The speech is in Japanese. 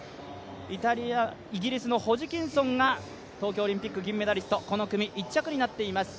イギリスのホジキンソンが東京オリンピック銀メダリスト、この組、１着になっています。